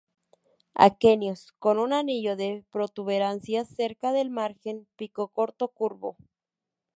Aquenios con un anillo de protuberancias cerca del margen, pico corto, curvo.